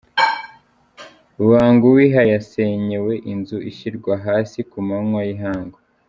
Banguwiha yasenyewe inzu ishyirwa hasi ku manywa y’ihangu